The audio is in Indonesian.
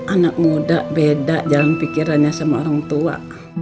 anak muda beda jalan pikirannya sama orang tua